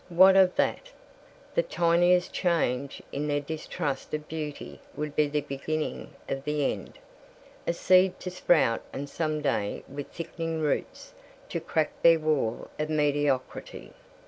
What of that? The tiniest change in their distrust of beauty would be the beginning of the end; a seed to sprout and some day with thickening roots to crack their wall of mediocrity.